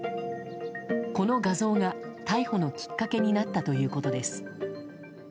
この画像が、逮捕のきっかけになったということです。